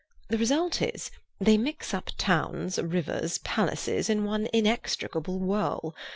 The result is, they mix up towns, rivers, palaces in one inextricable whirl.